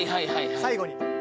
最後に。